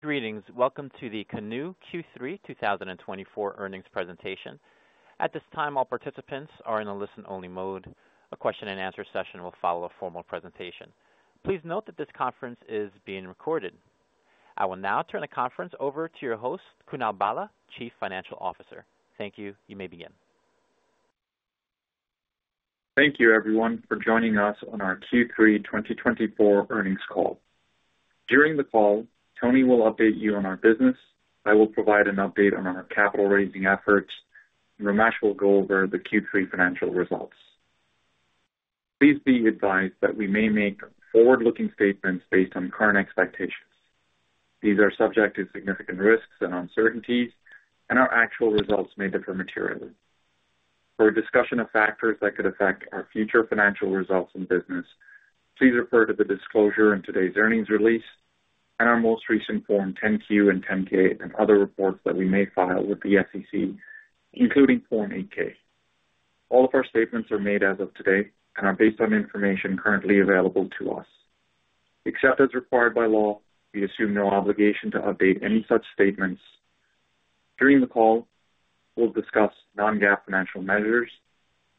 Greetings. Welcome to the Canoo Q3 2024 earnings presentation. At this time, all participants are in a listen-only mode. A question-and-answer session will follow a formal presentation. Please note that this conference is being recorded. I will now turn the conference over to your host, Kunal Bhalla, Chief Financial Officer. Thank you. You may begin. Thank you, everyone, for joining us on our Q3 2024 earnings call. During the call, Tony will update you on our business. I will provide an update on our capital-raising efforts, and Ramesh will go over the Q3 financial results. Please be advised that we may make forward-looking statements based on current expectations. These are subject to significant risks and uncertainties, and our actual results may differ materially. For a discussion of factors that could affect our future financial results and business, please refer to the disclosure in today's earnings release and our most recent Form 10Q and 10K and other reports that we may file with the SEC, including Form 8K. All of our statements are made as of today and are based on information currently available to us. Except as required by law, we assume no obligation to update any such statements. During the call, we'll discuss Non-GAAP financial measures.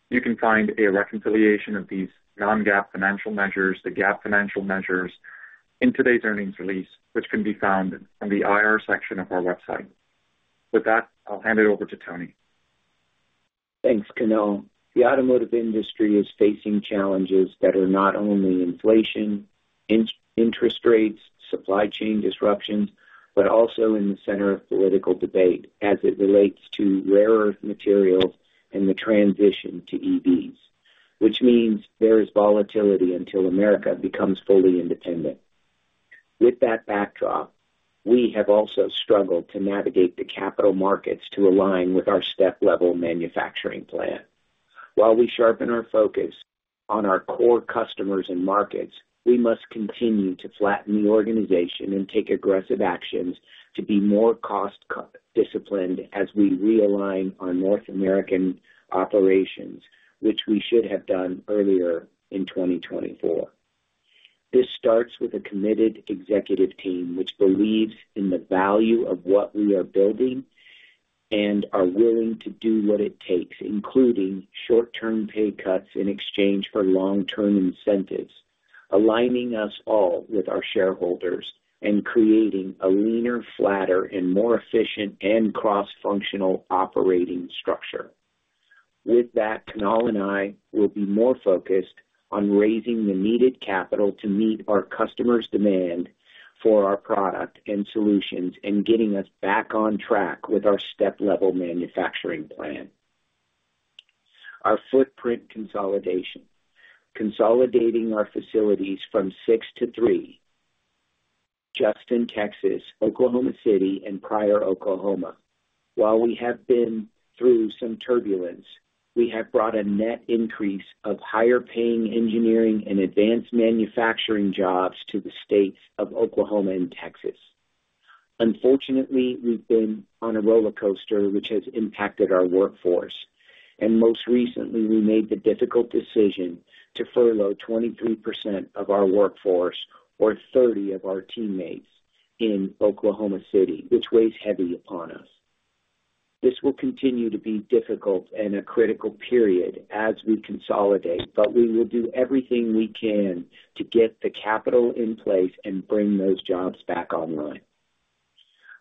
You can find a reconciliation of these Non-GAAP financial measures, the GAAP financial measures, in today's earnings release, which can be found in the IR section of our website. With that, I'll hand it over to Tony. Thanks, Kunal. The automotive industry is facing challenges that are not only inflation, interest rates, supply chain disruptions, but also in the center of political debate as it relates to rare earth materials and the transition to EVs, which means there is volatility until America becomes fully independent. With that backdrop, we have also struggled to navigate the capital markets to align with our step-level manufacturing plan. While we sharpen our focus on our core customers and markets, we must continue to flatten the organization and take aggressive actions to be more cost-disciplined as we realign our North American operations, which we should have done earlier in 2024. This starts with a committed executive team which believes in the value of what we are building and are willing to do what it takes, including short-term pay cuts in exchange for long-term incentives, aligning us all with our shareholders and creating a leaner, flatter, and more efficient and cross-functional operating structure. With that, Kunal and I will be more focused on raising the needed capital to meet our customers' demand for our product and solutions and getting us back on track with our step-level manufacturing plan. Our footprint consolidation: consolidating our facilities from six to three, Justin, Texas, Oklahoma City, and Pryor, Oklahoma. While we have been through some turbulence, we have brought a net increase of higher-paying engineering and advanced manufacturing jobs to the states of Oklahoma and Texas. Unfortunately, we've been on a roller coaster which has impacted our workforce, and most recently, we made the difficult decision to furlough 23% of our workforce or 30% of our teammates in Oklahoma City, which weighs heavy upon us. This will continue to be difficult and a critical period as we consolidate, but we will do everything we can to get the capital in place and bring those jobs back online.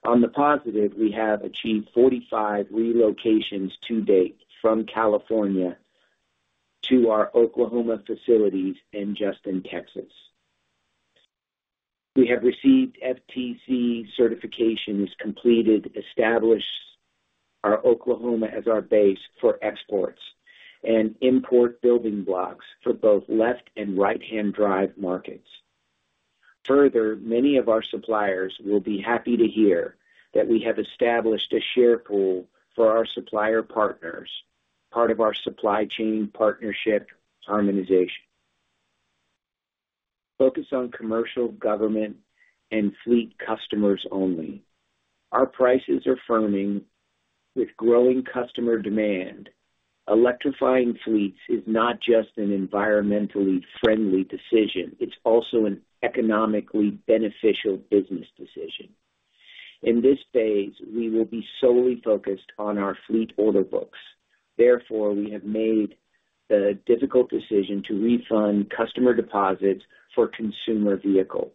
On the positive, we have achieved 45 relocations to date from California to our Oklahoma facilities and Justin, Texas. We have received FTZ certifications completed to establish our Oklahoma as our base for exports and import building blocks for both left and right-hand drive markets. Further, many of our suppliers will be happy to hear that we have established a share pool for our supplier partners, part of our supply chain partnership harmonization. Focus on commercial, government, and fleet customers only. Our prices are firming with growing customer demand. Electrifying fleets is not just an environmentally friendly decision. It's also an economically beneficial business decision. In this phase, we will be solely focused on our fleet order books. Therefore, we have made the difficult decision to refund customer deposits for consumer vehicles.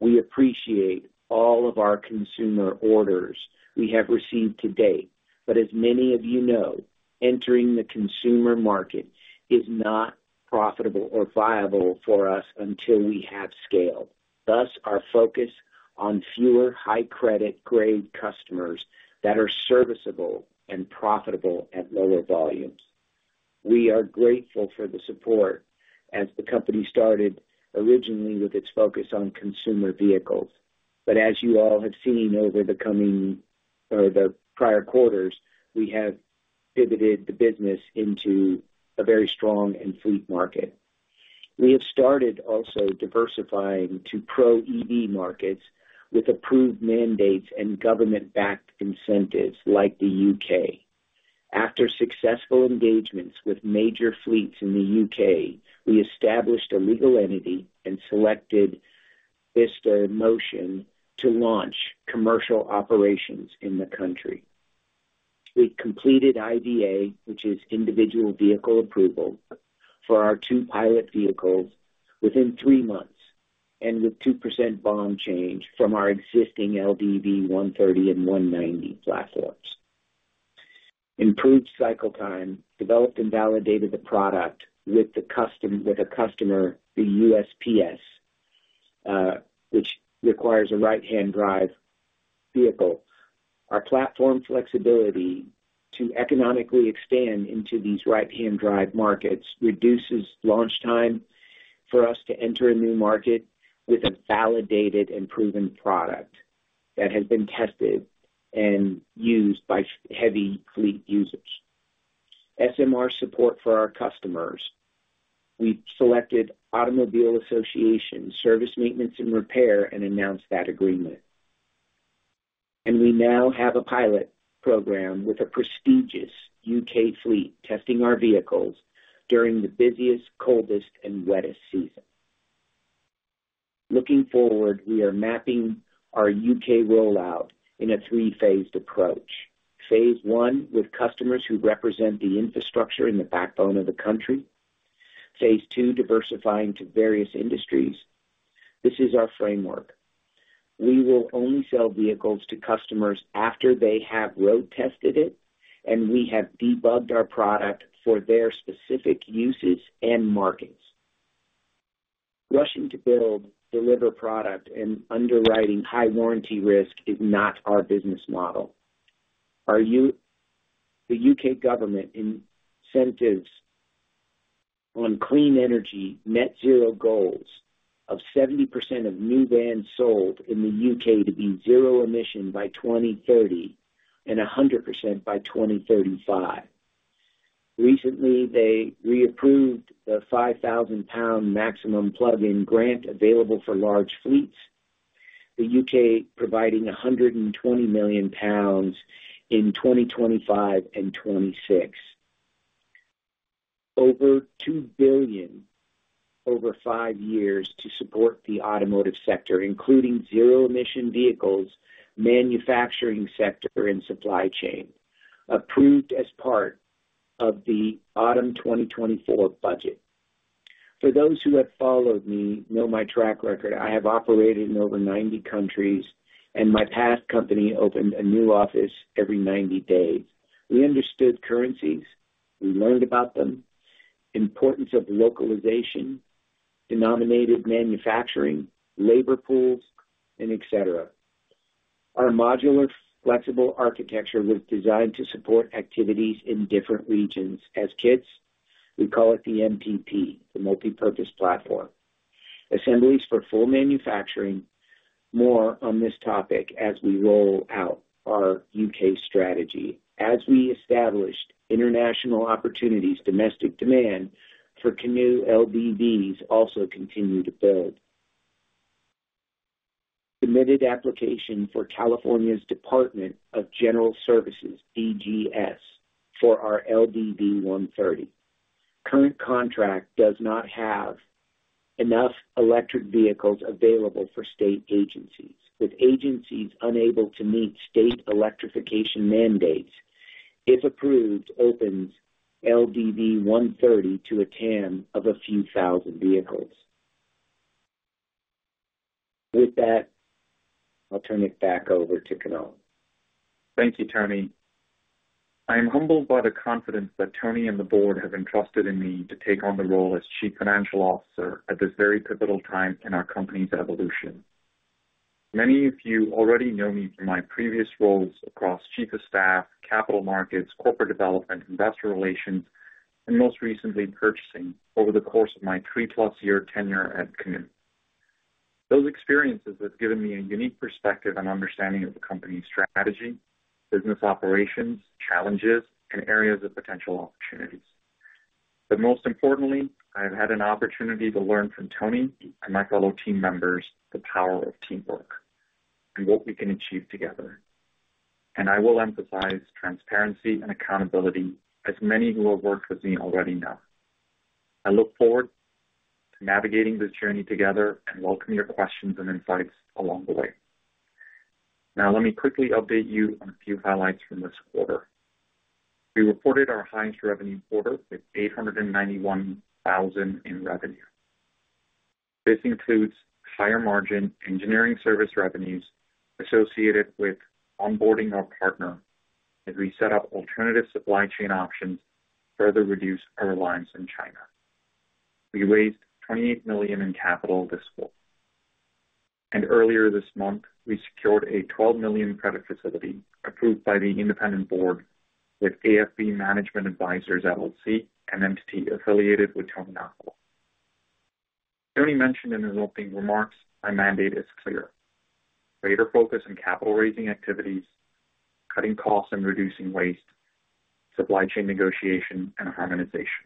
We appreciate all of our consumer orders we have received to date, but as many of you know, entering the consumer market is not profitable or viable for us until we have scaled. Thus, our focus is on fewer high-credit grade customers that are serviceable and profitable at lower volumes. We are grateful for the support as the company started originally with its focus on consumer vehicles, but as you all have seen over the coming or the prior quarters, we have pivoted the business into a very strong and fleet market. We have started also diversifying to pro-EV markets with approved mandates and government-backed incentives like the U.K. After successful engagements with major fleets in the U.K., we established a legal entity and selected Bicester Motion to launch commercial operations in the country. We completed IVA, which is Individual Vehicle Approval, for our two pilot vehicles within three months and with 2% bond change from our existing LDV 130 and 190 platforms, improved cycle time, developed and validated the product with a customer, the USPS, which requires a right-hand drive vehicle. Our platform flexibility to economically expand into these right-hand drive markets reduces launch time for us to enter a new market with a validated and proven product that has been tested and used by heavy fleet users. SMR support for our customers. We've selected Automobile Association, Service, Maintenance, and Repair, and announced that agreement. We now have a pilot program with a prestigious UK fleet testing our vehicles during the busiest, coldest, and wettest season. Looking forward, we are mapping our UK rollout in a three-phased approach. Phase one with customers who represent the infrastructure in the backbone of the country. Phase two, diversifying to various industries. This is our framework. We will only sell vehicles to customers after they have road-tested it, and we have debugged our product for their specific uses and markets. Rushing to build, deliver product, and underwriting high warranty risk is not our business model. The U.K. government incentives on clean energy net zero goals of 70% of new vans sold in the U.K. to be zero emission by 2030 and 100% by 2035. Recently, they reapproved the £5,000 maximum Plug-in Grant available for large fleets. The U.K. providing £120 million in 2025 and 2026. Over £2 billion over five years to support the automotive sector, including zero emission vehicles, manufacturing sector, and supply chain, approved as part of the Autumn 2024 Budget. For those who have followed me, know my track record. I have operated in over 90 countries, and my past company opened a new office every 90 days. We understood currencies. We learned about them, the importance of localization, denominated manufacturing, labor pools, etc. Our modular flexible architecture was designed to support activities in different regions. As kids, we call it the MPP, the Multipurpose Platform. Assemblies for full manufacturing. More on this topic as we roll out our U.K. strategy. As we established international opportunities, domestic demand for Canoo LDVs also continued to build. Submitted application for California's Department of General Services, DGS, for our LDV 130. Current contract does not have enough electric vehicles available for state agencies, with agencies unable to meet state electrification mandates. If approved, opens LDV 130 to a TAM of a few thousand vehicles. With that, I'll turn it back over to Kunal. Thank you, Tony. I am humbled by the confidence that Tony and the board have entrusted in me to take on the role as Chief Financial Officer at this very pivotal time in our company's evolution. Many of you already know me from my previous roles across Chief of Staff, Capital Markets, Corporate Development, Investor Relations, and most recently purchasing over the course of my three-plus year tenure at Canoo. Those experiences have given me a unique perspective and understanding of the company's strategy, business operations, challenges, and areas of potential opportunities. But most importantly, I have had an opportunity to learn from Tony and my fellow team members the power of teamwork and what we can achieve together. And I will emphasize transparency and accountability as many who have worked with me already know. I look forward to navigating this journey together and welcome your questions and insights along the way. Now, let me quickly update you on a few highlights from this quarter. We reported our highest revenue quarter with $891,000 in revenue. This includes higher margin engineering service revenues associated with onboarding our partner as we set up alternative supply chain options to further reduce our reliance on China. We raised $28 million in capital this quarter, and earlier this month, we secured a $12 million credit facility approved by the independent board with AFV Management Advisors LLC, an entity affiliated with Tony Aquila. Tony mentioned in his opening remarks, "My mandate is clear: greater focus on capital-raising activities, cutting costs and reducing waste, supply chain negotiation, and harmonization."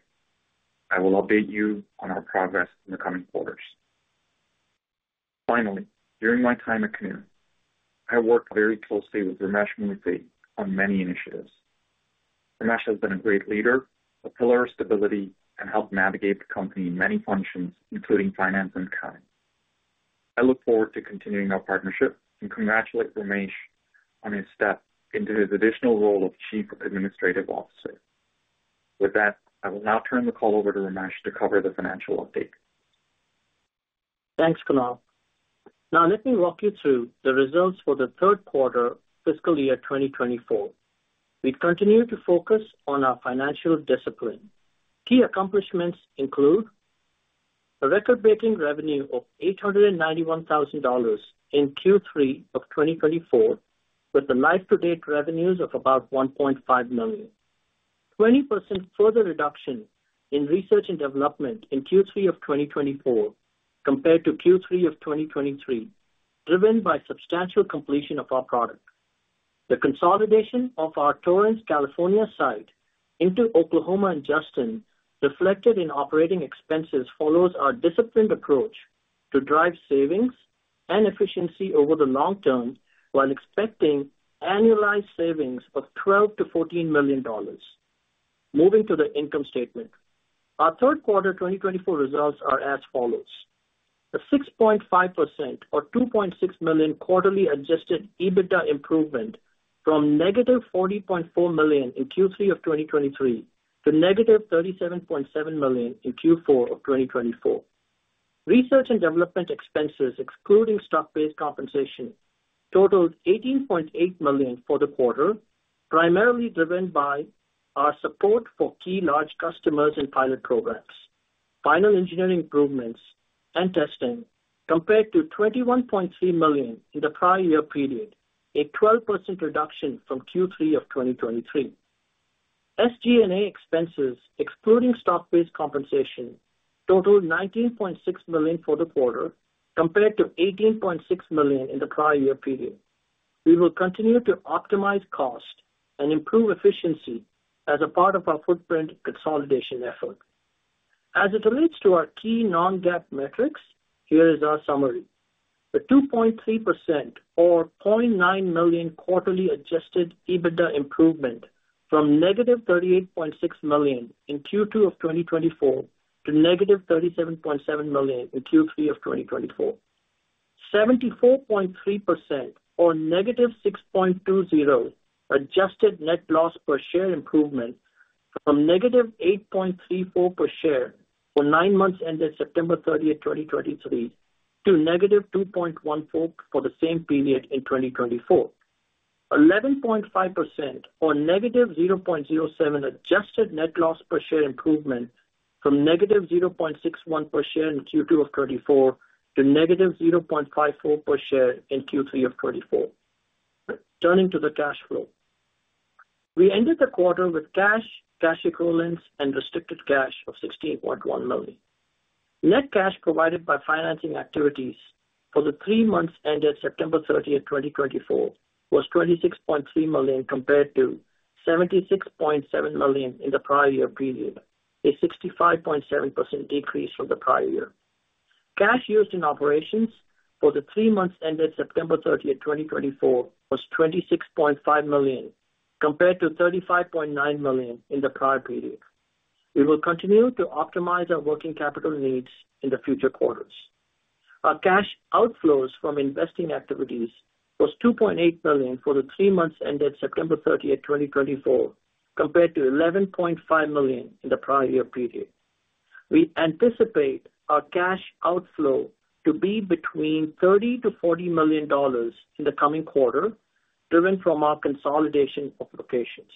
I will update you on our progress in the coming quarters. Finally, during my time at Canoo, I worked very closely with Ramesh Murthy on many initiatives. Ramesh has been a great leader, a pillar of stability, and helped navigate the company in many functions, including finance and accounting. I look forward to continuing our partnership and congratulate Ramesh on his step into his additional role of Chief Administrative Officer. With that, I will now turn the call over to Ramesh to cover the financial update. Thanks, Kunal. Now, let me walk you through the results for the third quarter, fiscal year 2024. We continue to focus on our financial discipline. Key accomplishments include a record-breaking revenue of $891,000 in Q3 of 2024, with the year-to-date revenues of about $1.5 million. 20% further reduction in research and development in Q3 of 2024 compared to Q3 of 2023, driven by substantial completion of our product. The consolidation of our Torrance, California site into Oklahoma and Justin, Texas reflected in operating expenses follows our disciplined approach to drive savings and efficiency over the long term while expecting annualized savings of $12-$14 million. Moving to the income statement, our third quarter 2024 results are as follows: a 6.5% or $2.6 million quarterly Adjusted EBITDA improvement from negative $40.4 million in Q3 of 2023 to negative $37.7 million in Q4 of 2024. Research and development expenses, excluding stock-based compensation, totaled $18.8 million for the quarter, primarily driven by our support for key large customers and pilot programs, final engineering improvements, and testing, compared to $21.3 million in the prior year period, a 12% reduction from Q3 of 2023. SG&A expenses, excluding stock-based compensation, totaled $19.6 million for the quarter, compared to $18.6 million in the prior year period. We will continue to optimize cost and improve efficiency as a part of our footprint consolidation effort. As it relates to our key non-GAAP metrics, here is our summary. The 2.3% or $0.9 million quarterly adjusted EBITDA improvement from negative $38.6 million in Q2 of 2024 to negative $37.7 million in Q3 of 2024. 74.3% or negative $6.20 adjusted net loss per share improvement from negative $8.34 per share for nine months ended September 30, 2023, to negative $2.14 for the same period in 2024. 11.5% or negative $0.07 adjusted net loss per share improvement from negative $0.61 per share in Q2 of 2024 to negative $0.54 per share in Q3 of 2024. Turning to the cash flow, we ended the quarter with cash, cash equivalents, and restricted cash of $16.1 million. Net cash provided by financing activities for the three months ended September 30, 2024, was $26.3 million compared to $76.7 million in the prior year period, a 65.7% decrease from the prior year. Cash used in operations for the three months ended September 30, 2024, was $26.5 million compared to $35.9 million in the prior period. We will continue to optimize our working capital needs in the future quarters. Our cash outflows from investing activities was $2.8 million for the three months ended September 30, 2024, compared to $11.5 million in the prior year period. We anticipate our cash outflow to be between $30-$40 million in the coming quarter, driven from our consolidation of locations.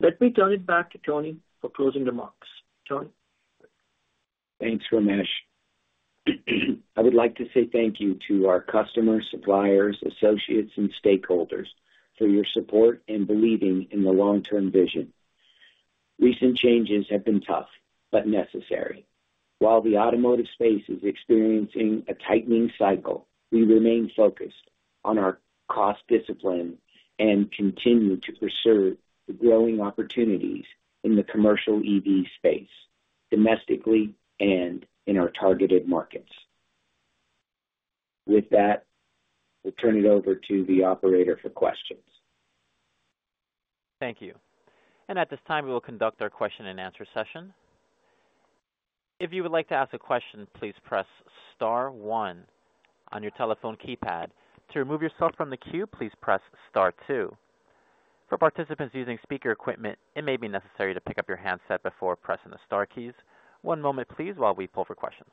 Let me turn it back to Tony for closing remarks. Tony. Thanks, Ramesh. I would like to say thank you to our customers, suppliers, associates, and stakeholders for your support and believing in the long-term vision. Recent changes have been tough, but necessary. While the automotive space is experiencing a tightening cycle, we remain focused on our cost discipline and continue to preserve the growing opportunities in the commercial EV space, domestically and in our targeted markets. With that, we'll turn it over to the operator for questions. Thank you. And at this time, we will conduct our question-and-answer session. If you would like to ask a question, please press Star 1 on your telephone keypad. To remove yourself from the queue, please press Star 2. For participants using speaker equipment, it may be necessary to pick up your handset before pressing the Star keys. One moment, please, while we pull for questions.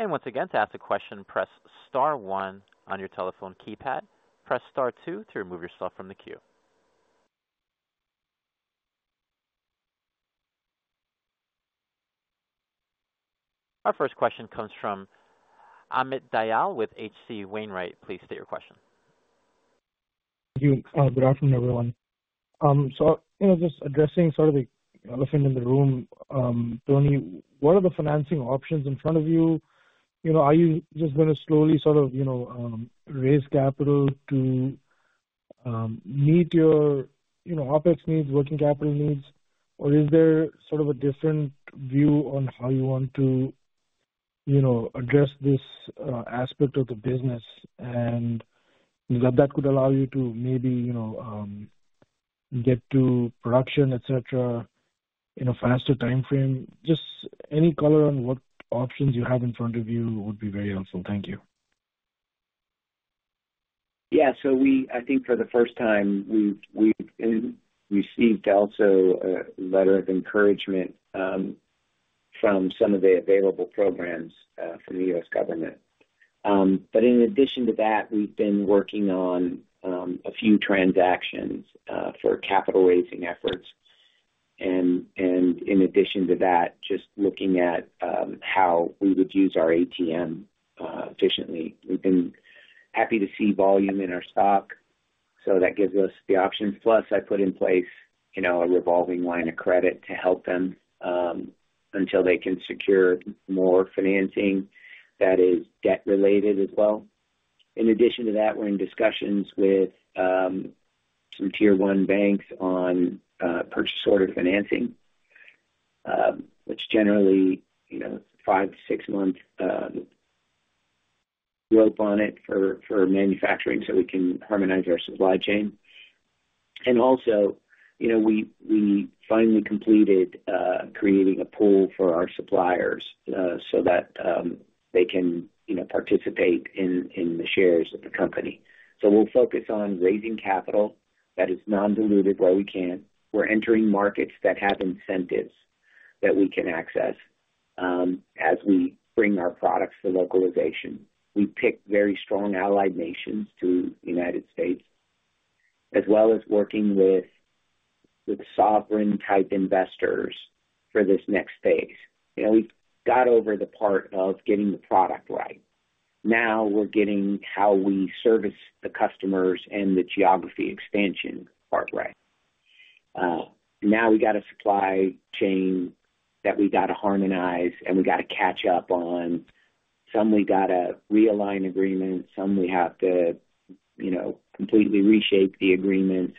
And once again, to ask a question, press Star 1 on your telephone keypad. Press Star 2 to remove yourself from the queue. Our first question comes from Amit Dayal with H.C. Wainwright. Please state your question. Thank you. Good afternoon, everyone. So just addressing sort of the elephant in the room, Tony, what are the financing options in front of you? Are you just going to slowly sort of raise capital to meet your OpEx needs, working capital needs, or is there sort of a different view on how you want to address this aspect of the business and that that could allow you to maybe get to production, etc., in a faster time frame? Just any color on what options you have in front of you would be very helpful. Thank you. Yeah. So I think for the first time, we've received also a letter of encouragement from some of the available programs from the U.S. government. But in addition to that, we've been working on a few transactions for capital-raising efforts. And in addition to that, just looking at how we would use our ATM efficiently. We've been happy to see volume in our stock, so that gives us the options. Plus, I put in place a revolving line of credit to help them until they can secure more financing that is debt-related as well. In addition to that, we're in discussions with some tier-one banks on purchase order financing, which generally is a five- to six-month rope on it for manufacturing so we can harmonize our supply chain. And also, we finally completed creating a pool for our suppliers so that they can participate in the shares of the company. So we'll focus on raising capital that is non-diluted where we can. We're entering markets that have incentives that we can access as we bring our products to localization. We picked very strong allied nations to the United States, as well as working with sovereign-type investors for this next phase. We've got over the part of getting the product right. Now we're getting how we service the customers and the geography expansion part right. Now we got a supply chain that we got to harmonize, and we got to catch up on. Some we got to realign agreements. Some we have to completely reshape the agreements.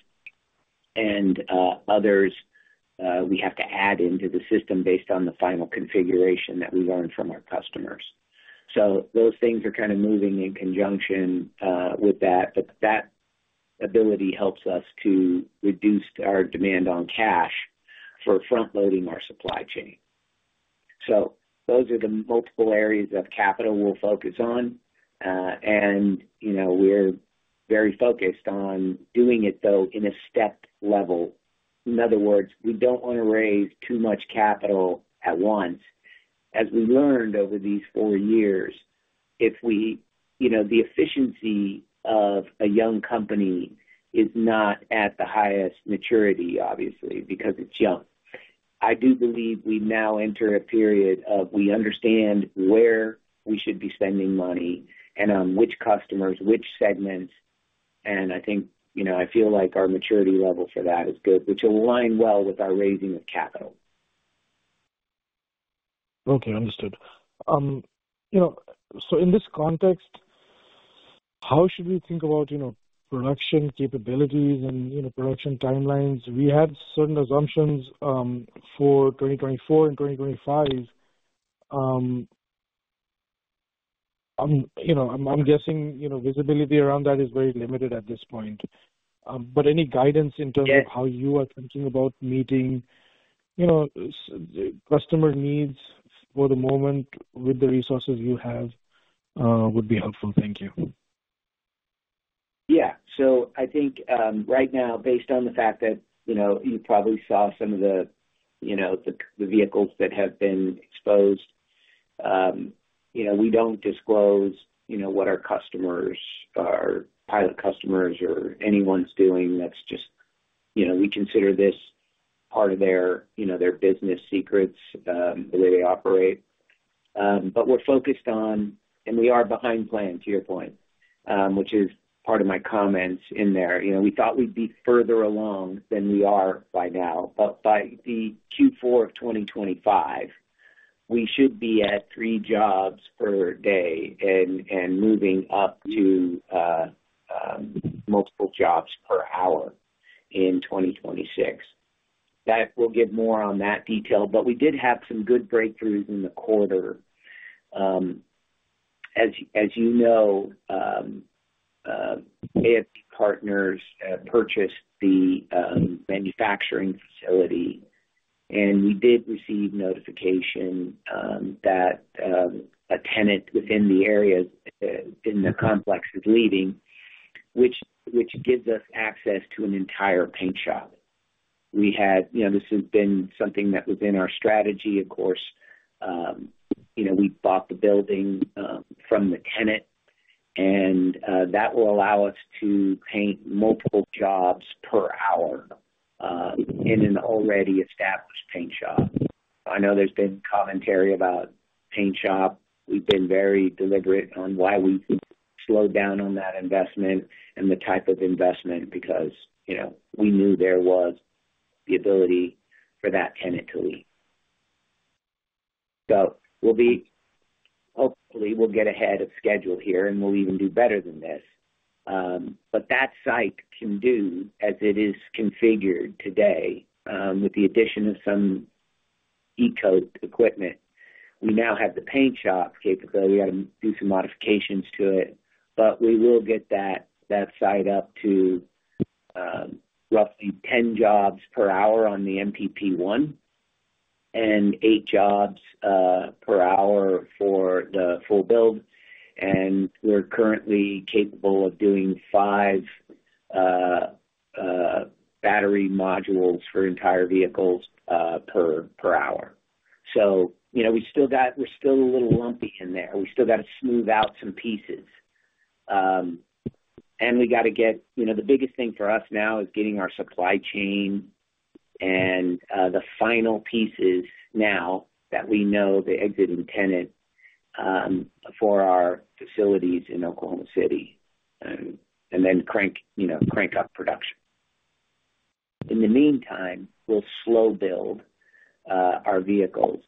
And others we have to add into the system based on the final configuration that we learned from our customers. So those things are kind of moving in conjunction with that. but that ability helps us to reduce our demand on cash for front-loading our supply chain. so those are the multiple areas of capital we'll focus on. and we're very focused on doing it, though, in a step level. In other words, we don't want to raise too much capital at once. As we learned over these four years, the efficiency of a young company is not at the highest maturity, obviously, because it's young. I do believe we now enter a period of we understand where we should be spending money and on which customers, which segments. and I think I feel like our maturity level for that is good, which will align well with our raising of capital. Okay. Understood. So in this context, how should we think about production capabilities and production timelines? We had certain assumptions for 2024 and 2025. I'm guessing visibility around that is very limited at this point. But any guidance in terms of how you are thinking about meeting customer needs for the moment with the resources you have would be helpful. Thank you. Yeah. So I think right now, based on the fact that you probably saw some of the vehicles that have been exposed, we don't disclose what our customers, our pilot customers, or anyone's doing. That's just we consider this part of their business secrets, the way they operate. But we're focused on, and we are behind plan, to your point, which is part of my comments in there. We thought we'd be further along than we are by now. But by the Q4 of 2025, we should be at three jobs per day and moving up to multiple jobs per hour in 2026. That will get more on that detail. But we did have some good breakthroughs in the quarter. As you know, AFV Management Advisors LLC purchased the manufacturing facility, and we did receive notification that a tenant within the area in the complex is leaving, which gives us access to an entire paint shop. This has been something that was in our strategy. Of course, we bought the building from the tenant, and that will allow us to paint multiple jobs per hour in an already established paint shop. I know there's been commentary about paint shop. We've been very deliberate on why we slowed down on that investment and the type of investment because we knew there was the ability for that tenant to leave. So hopefully, we'll get ahead of schedule here, and we'll even do better than this. But that site can do, as it is configured today, with the addition of some E-coat equipment. We now have the paint shop capability. We got to do some modifications to it. But we will get that site up to roughly 10 jobs per hour on the MPP1 and 8 jobs per hour for the full build. We're currently capable of doing five battery modules for entire vehicles per hour. We're still a little lumpy in there. We still got to smooth out some pieces. The biggest thing for us now is getting our supply chain and the final pieces now that we know the exiting tenant for our facilities in Oklahoma City and then crank up production. In the meantime, we'll slow build our vehicles,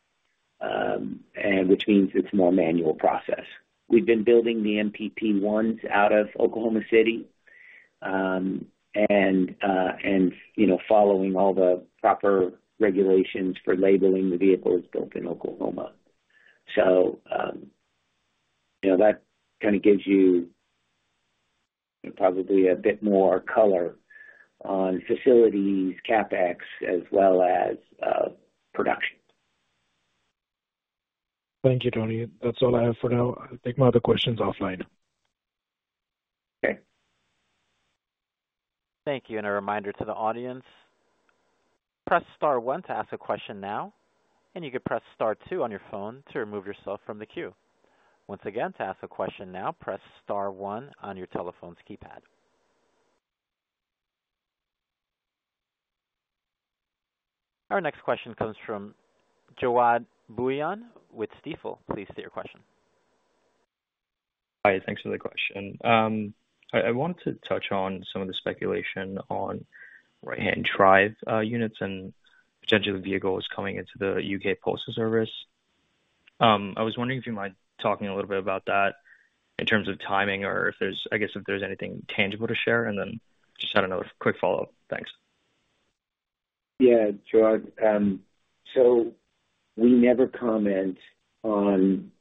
which means it's a more manual process. We've been building the MPP1s out of Oklahoma City and following all the proper regulations for labeling the vehicles built in Oklahoma. So that kind of gives you probably a bit more color on facilities, CapEx, as well as production. Thank you, Tony. That's all I have for now. I'll take my other questions offline. Okay. Thank you. And a reminder to the audience, press Star 1 to ask a question now. And you can press Star 2 on your phone to remove yourself from the queue. Once again, to ask a question now, press Star 1 on your telephone's keypad. Our next question comes from Jod Bouillon with Stifel. Please state your question. Hi. Thanks for the question. I wanted to touch on some of the speculation on right-hand drive units and potentially the vehicles coming into the U.K. postal service. I was wondering if you might talk to me a little bit about that in terms of timing or, I guess, if there's anything tangible to share. And then just had another quick follow-up. Thanks. Yeah, Jod. So we never comment on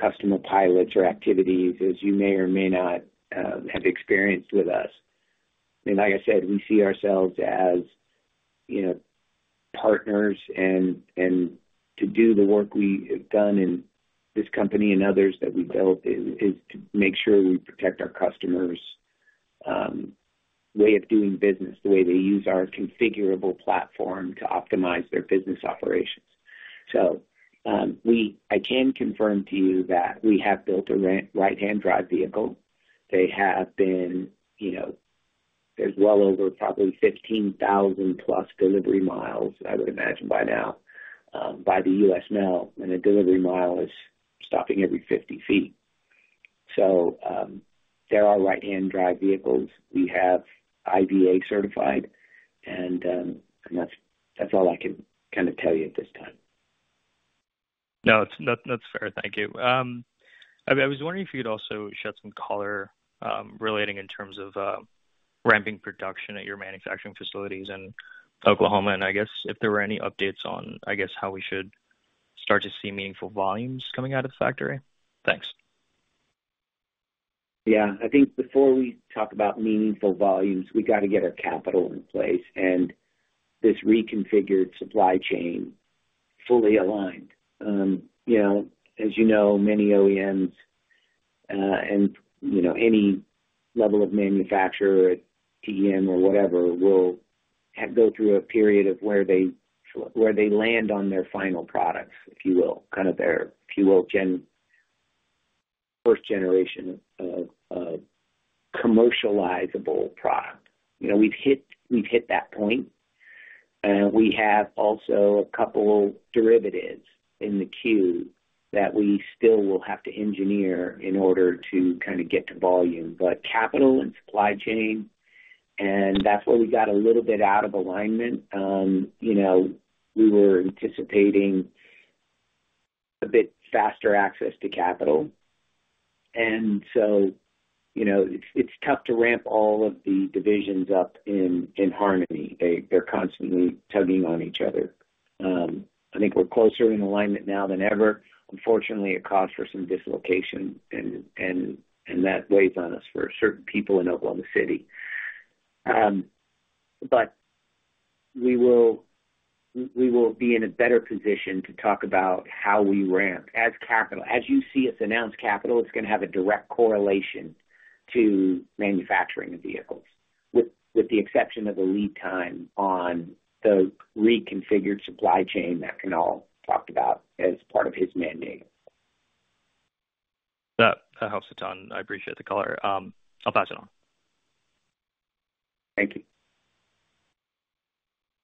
customer pilots or activities, as you may or may not have experienced with us. I mean, like I said, we see ourselves as partners. And to do the work we have done in this company and others that we built is to make sure we protect our customers' way of doing business, the way they use our configurable platform to optimize their business operations. So I can confirm to you that we have built a right-hand drive vehicle. They have been. There's well over probably 15,000-plus delivery miles, I would imagine, by now by the USPS. And a delivery mile is stopping every 50 feet. So there are right-hand drive vehicles. We have IVA certified. And that's all I can kind of tell you at this time. No, that's fair. Thank you. I was wondering if you could also shed some color relating in terms of ramping production at your manufacturing facilities in Oklahoma and, I guess, if there were any updates on, I guess, how we should start to see meaningful volumes coming out of the factory. Thanks. Yeah. I think before we talk about meaningful volumes, we got to get our capital in place and this reconfigured supply chain fully aligned. As you know, many OEMs and any level of manufacturer, TM or whatever, will go through a period of where they land on their final products, if you will, kind of their first generation of commercializable product. We've hit that point. We have also a couple of derivatives in the queue that we still will have to engineer in order to kind of get to volume, but capital and supply chain. And that's where we got a little bit out of alignment. We were anticipating a bit faster access to capital. And so it's tough to ramp all of the divisions up in harmony. They're constantly tugging on each other. I think we're closer in alignment now than ever. Unfortunately, it caused for some dislocation, and that weighs on us for certain people in Oklahoma City. But we will be in a better position to talk about how we ramp as capital. As you see us announce capital, it's going to have a direct correlation to manufacturing the vehicles, with the exception of the lead time on the reconfigured supply chain that Kunal talked about as part of his mandate. That helps a ton. I appreciate the color. I'll pass it on. Thank you.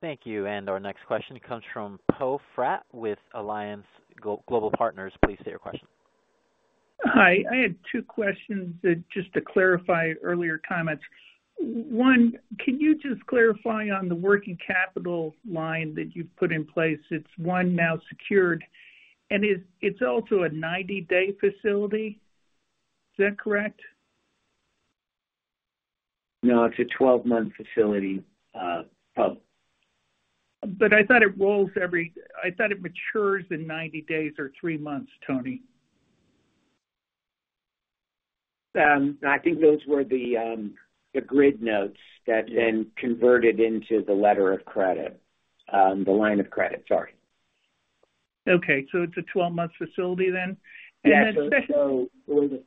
Thank you. And our next question comes from Poe Fratt with Alliance Global Partners. Please state your question. Hi. I had two questions just to clarify earlier comments. One, can you just clarify on the working capital line that you've put in place? It's one now secured. And it's also a 90-day facility. Is that correct? No, it's a 12-month facility probably. But I thought it matures in 90 days or three months, Tony. I think those were the grid notes that then converted into the letter of credit, the line of credit. Sorry. Okay. So it's a 12-month facility then. Yeah. So the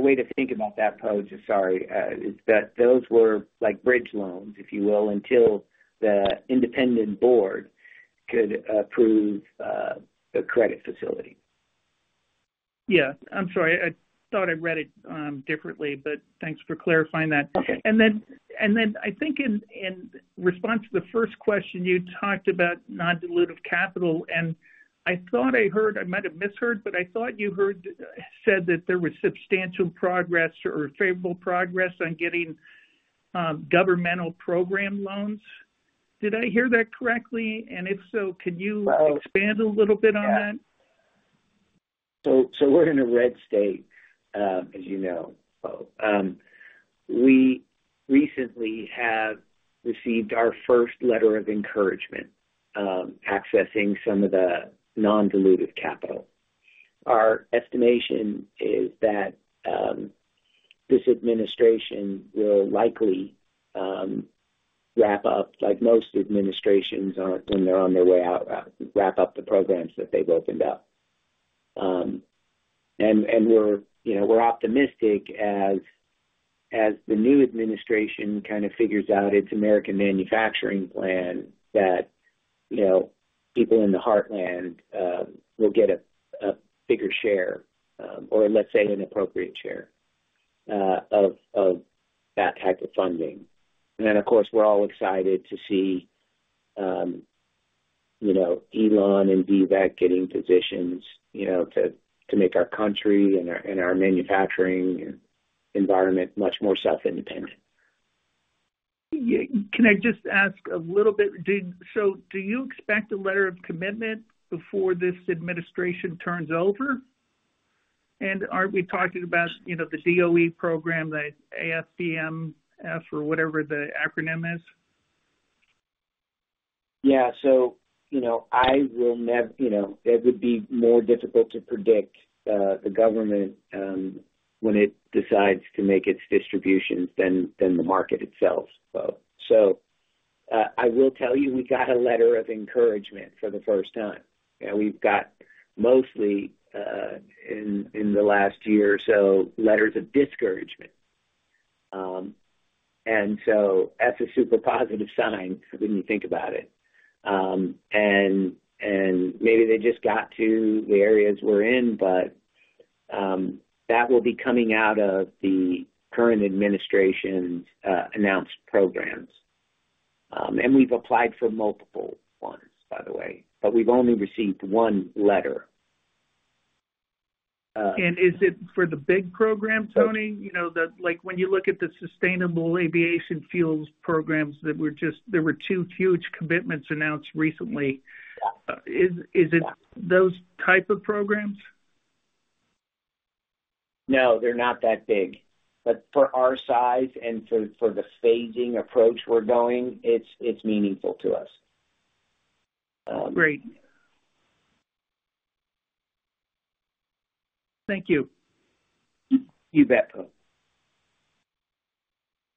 way to think about that, Poe, sorry, is that those were like bridge loans, if you will, until the independent board could approve the credit facility. Yeah. I'm sorry. I thought I read it differently, but thanks for clarifying that. And then I think in response to the first question, you talked about non-dilutive capital. And I thought I heard I might have misheard, but I thought you said that there was substantial progress or favorable progress on getting governmental program loans. Did I hear that correctly? And if so, can you expand a little bit on that? So we're in a red state, as you know. We recently have received our first letter of encouragement accessing some of the non-dilutive capital. Our estimation is that this administration will likely wrap up, like most administrations when they're on their way out, wrap up the programs that they've opened up. And we're optimistic as the new administration kind of figures out its American manufacturing plan that people in the heartland will get a bigger share or, let's say, an appropriate share of that type of funding. And then, of course, we're all excited to see Elon and Vivek getting positions to make our country and our manufacturing environment much more self-independent. Can I just ask a little bit? So do you expect a letter of commitment before this administration turns over? And we talked about the DOE program, the ATVM or whatever the acronym is? Yeah. So, it would be more difficult to predict the government when it decides to make its distributions than the market itself. So, I will tell you we got a letter of encouragement for the first time. And we've got mostly in the last year or so letters of discouragement. And so that's a super positive sign when you think about it. And maybe they just got to the areas we're in, but that will be coming out of the current administration's announced programs. And we've applied for multiple ones, by the way, but we've only received one letter. Is it for the big program, Tony? When you look at the sustainable aviation fuels programs, there were two huge commitments announced recently. Is it those type of programs? No, they're not that big. But for our size and for the phasing approach we're going, it's meaningful to us. Great. Thank you. You bet, Poe.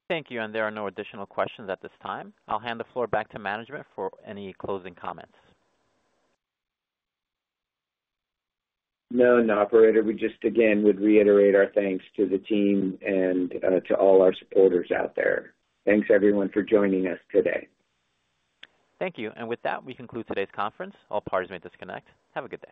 Thank you. There are no additional questions at this time. I'll hand the floor back to management for any closing comments. No, not for it. We just, again, would reiterate our thanks to the team and to all our supporters out there. Thanks, everyone, for joining us today. Thank you. And with that, we conclude today's conference. All parties may disconnect. Have a good day.